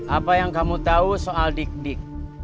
apa yang kamu tahu soal dik dik